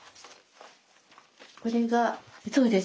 これがそうです。